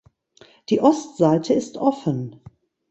Die Ostseite ist offen.